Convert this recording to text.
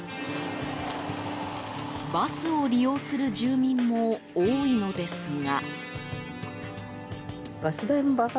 バスを利用する住民も多いのですが。